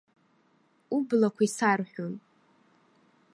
Ублақәа исарҳәон.